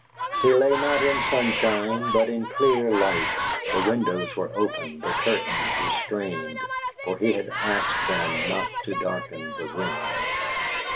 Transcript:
He lay not in sunshine, but in clear light; the windows were open, the curtains restrained, for he had asked them not to darken the room.